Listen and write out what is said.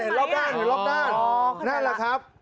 เห็นรอบด้านนั่นแหละครับ